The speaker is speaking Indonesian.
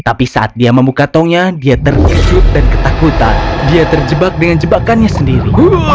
tapi saat dia membuka tongnya dia terkejut dan ketakutan dia terjebak dengan jebakannya sendiri